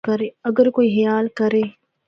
اگر کوئی خیال کرّے۔